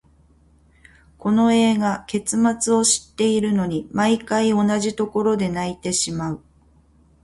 この映画、結末を知っているのに、毎回同じところで泣いてしまう。